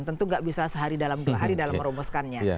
tentu nggak bisa sehari dalam dua hari dalam merumuskannya